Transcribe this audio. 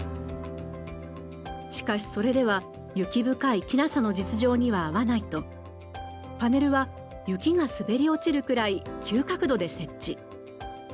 しかしそれでは雪深い鬼無里の実情には合わないとパネルは雪が滑り落ちるくらい急角度で設置。